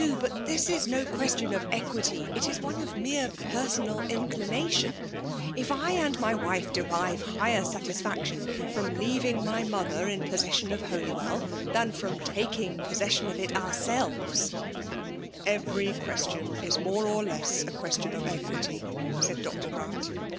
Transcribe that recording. But ibis is no question of equity, it is one of mere personal ii If I and my wife derive higher from leaving my mother in possession of Holy well, than firom taking possession of it our selves—" « Every question is more or less a question of equity/' said Dr. Grant.